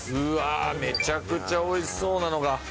めちゃくちゃおいしそうなのが。